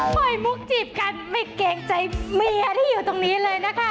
ปล่อยมุกจีบกันไม่เกรงใจเมียที่อยู่ตรงนี้เลยนะคะ